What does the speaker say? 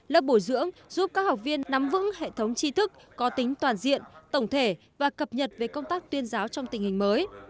lớp bồi dưỡng giúp các học viên nắm vững hệ thống chi thức có tính toàn diện tổng thể và cập nhật về công tác tuyên giáo trong tình hình mới